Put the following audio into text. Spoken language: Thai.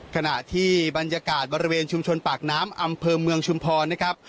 ขณะที่บรรยากาศบริเวณชุมชนปากน้ำอำเภอเมืองชุมพรนะครับ